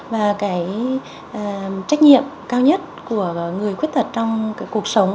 và cái trách nhiệm cao nhất của người khuyết tật trong cuộc sống